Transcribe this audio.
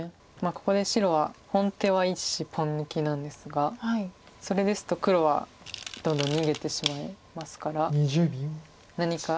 ここで白は本手は１子ポン抜きなんですがそれですと黒はどんどん逃げてしまいますから何か。